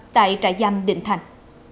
tại trại giam định thành